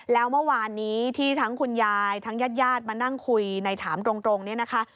แล้วเมื่อวานนี้ที่ทั้งคุณยายทั้งญาติญาติมานั่งคุยในถามตรงเนี่ยนะคะ